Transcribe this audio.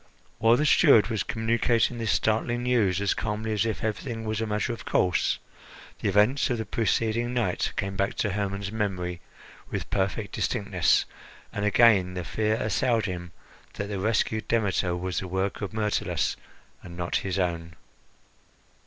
While the steward was communicating this startling news as calmly as if everything was a matter of course, the events of the preceding night came back to Hermon's memory with perfect distinctness, and again the fear assailed him that the rescued Demeter was the work of Myrtilus, and not his own.